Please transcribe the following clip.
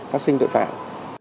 phát sinh tội phạm